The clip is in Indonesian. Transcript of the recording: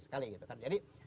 jadi kalau sebelum ini